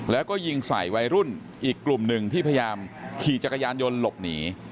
แล้วก็ยิงใส่วัยรุ่นอีกกลุ่มหนึ่งที่พยายามขี่จักรยานยนต์หลบหนี